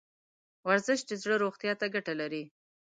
ورزش د زړه روغتیا ته ګټه لري.